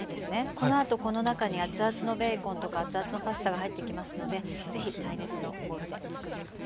このあとこの中に熱々のベーコンとか熱々のパスタが入ってきますので是非耐熱のボウルでつくって下さい。